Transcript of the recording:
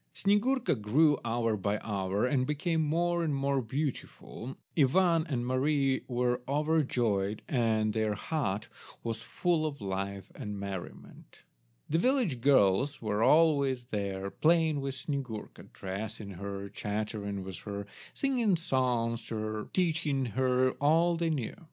Snyegurka grew hour by hour, and became more and more beautiful. Ivan and Mary were overjoyed, and their hut was full of life and merriment. The village girls were always there playing with Snyegurka, dressing her, chattering with her, singing songs to her, teaching her all they knew.